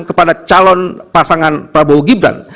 kepada calon pasangan prabowo gibran